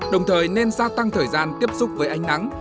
đồng thời nên gia tăng thời gian tiếp xúc với ánh nắng